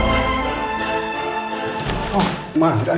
saya udah selesai